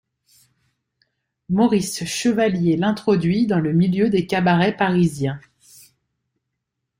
Maurice Chevalier l'introduit dans le milieu des cabarets parisiens.